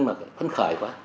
mà phân khởi quá